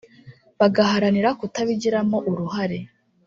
bagaharanira kutabigiramo uruhare